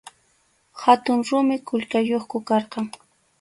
Hatun rumi qullqayuqku karqan.